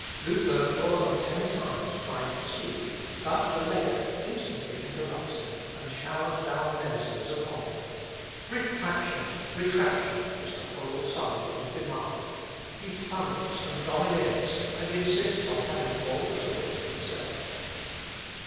Luther, more than ten times, tries to speak, but the legate instantly interrupts him, and showers down menaces upon him. Retractation! retractation! is the whole sum of his demand; he thunders, and domineers, and insists on having all the talk to himself.